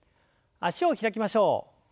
脚を開きましょう。